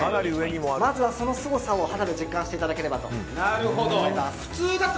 まずはそのすごさを肌で実感していただければと思います。